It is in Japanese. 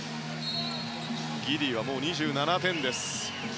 ギディーは２７点です。